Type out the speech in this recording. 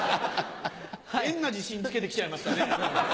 変な自信つけてきちゃいましたね。